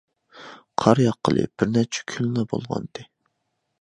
قار ياققىلى بىر نەچچە كۈنلا بولغانىدى.